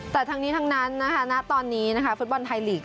แต่ทั้งนี้ทั้งนั้นนะคะณตอนนี้นะคะฟุตบอลไทยลีก